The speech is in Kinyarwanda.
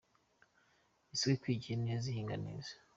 Isuka ikwikiye neza ihinga neza.